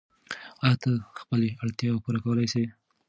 آیا ته خپلې اړتیاوې پوره کولای سې؟